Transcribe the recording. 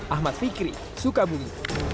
ahmad fikri sukabumi